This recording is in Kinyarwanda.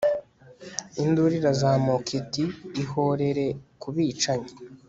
Induru irazamuka iti Ihorere ku bicanyi